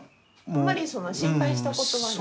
あんまり心配したことはない。